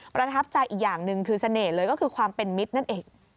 ประทับใจอีกอย่างหนึ่งคือเสน่ห์เลยก็คือความเป็นมิตรนั่นเอง